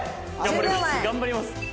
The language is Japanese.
はい頑張ります。